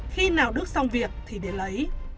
khi nào đức xong việc thì đến lấy